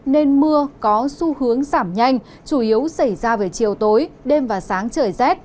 nên mưa có xu hướng giảm nhanh chủ yếu xảy ra về chiều tối đêm và sáng trời rét